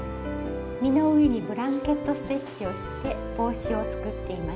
実の上にブランケット・ステッチをして帽子を作っています。